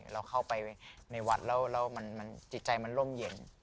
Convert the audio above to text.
เราเข้าไปในวัดแล้วจิตใจมันร่มเย็น